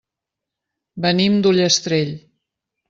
Venim d'Ullastrell.